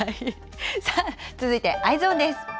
さあ、続いて、Ｅｙｅｓｏｎです。